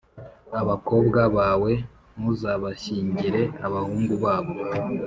Abakobwa bawe ntuzabashyingire abahungu babo,